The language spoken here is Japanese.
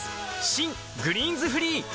新「グリーンズフリー」